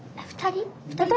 ２人？